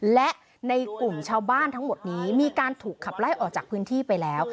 และในกลุ่มชาวบ้านทั้งหมดนี้มีการถูกขับไล่ออกจากพื้นที่ไปแล้ว